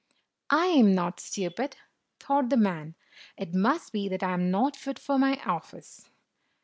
"I am not stupid," thought the man; "it must be that I am not fit for my office.